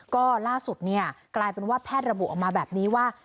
ก็ล่าสุดเนี่ยกลายเป็นว่าแพทย์ระบุออกมาแบบนี้ว่า